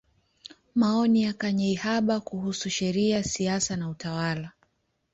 Maoni ya Kanyeihamba kuhusu Sheria, Siasa na Utawala.